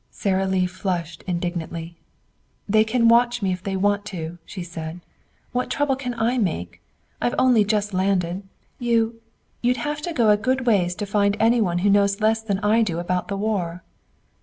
Sara Lee flushed indignantly. "They can watch me if they want to," she said. "What trouble can I make? I've only just landed. You you'd have to go a good ways to find any one who knows less than I do about the war."